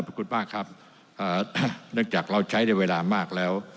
ขอบคุณมากครับเนื่องจากเราใช้ในเวลามากแล้ว